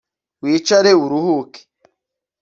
Wicare uruhuke